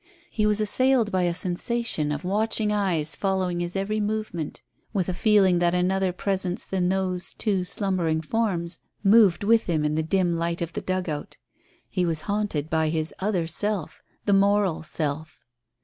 He was assailed by a sensation of watching eyes following his every movement; with a feeling that another presence than those two slumbering forms moved with him in the dim light of the dugout. He was haunted by his other self; the moral self.